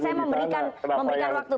saya memberikan waktu